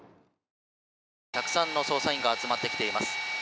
たくさんの捜査員が集まってきています。